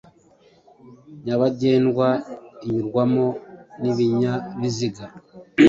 nyabagendwa inyurwamo n’ibinyabiziga